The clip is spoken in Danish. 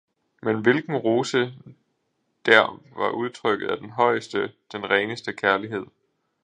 men hvilken rose dér var udtrykket af den højeste, den reneste kærlighed?